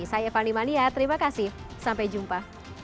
saya fani mania terima kasih sampai jumpa